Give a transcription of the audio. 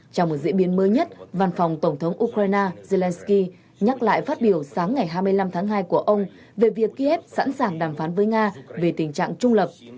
trong một diễn biến mới nhất văn phòng tổng thống ukraine zelensky nhắc lại phát biểu sáng ngày hai mươi năm tháng hai của ông về việc kiev sẵn sàng đàm phán với nga về tình trạng trung lập